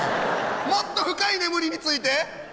もっと深い眠りについて。